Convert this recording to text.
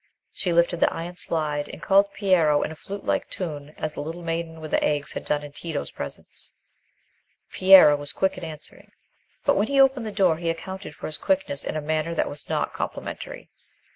She lifted the iron slide and called Piero in a flute like tone, as the little maiden with the eggs had done in Tito's presence. Piero was quick in answering, but when he opened the door he accounted for his quickness in a manner that was not complimentary.